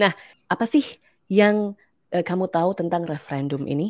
dan kita akan berbicara tentang referendum ini